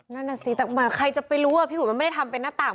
นั่นน่ะสิแต่ใครจะไปรู้ว่าพี่อุ๋ยมันไม่ได้ทำเป็นหน้าต่าง